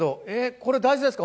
これ大豆ですか？